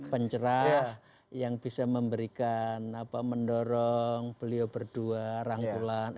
pencerah yang bisa memberikan apa mendorong beliau berdua rangkulan